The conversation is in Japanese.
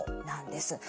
なんです。